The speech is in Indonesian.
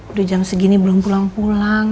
udah jam segini belum pulang pulang